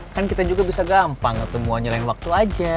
kan kita juga bisa gampang ketemuan nyalain waktu aja